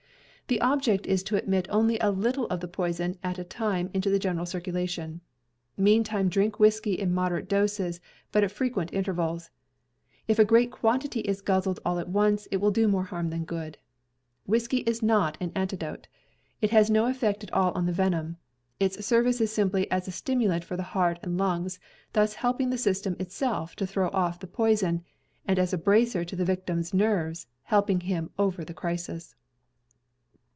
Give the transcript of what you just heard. The object is to admit only a little of the poison at a time into the general circulation. Meantime drink whiskey in moderate doses, but at frequent intervals. If a great quantity is guzzled all at once it will do more harm than good. Whiskey is not an antidote; it has no effect at all on the venom; its service is simply as a stimulant for the heart and lungs, thus helping the system itself to throw off the poison, and as a bracer to the victim's nerves, helping him over the crisis.